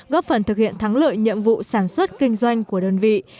góp phần thực hiện thắng lợi nhiệm vụ sản xuất kinh doanh của đơn vị